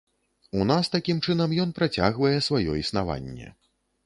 У нас такім чынам ён працягвае сваё існаванне.